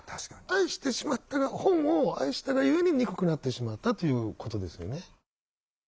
愛してしまった本を愛したがゆえに憎くなってしまったということですよね。